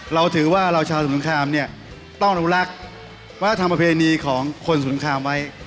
เราถือว่าเราชาวสงครามเนี่ยต้องอนุรักษ์วัฒนธรรมประเพณีของคนสงครามไว้